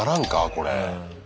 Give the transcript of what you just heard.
これ。